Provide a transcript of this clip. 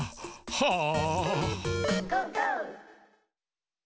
はあ。